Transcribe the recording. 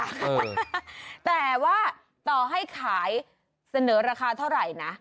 แต่ว่าต่อให้ขายเสนอราคาเท่าไหร่นะ